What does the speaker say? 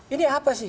ini apa sih